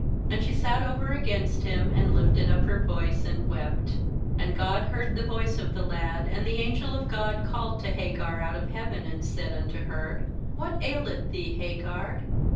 And she sat over against him, and lifted up her voice, and wept. 17And God heard the voice of the lad; and the angel of God called to Hagar out of heaven, and said unto her: 'What aileth thee, Hagar?